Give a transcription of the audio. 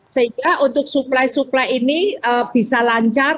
sehingga untuk suplai suplai ini bisa lancar